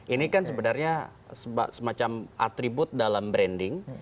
ini kan sebenarnya semacam atribut dalam branding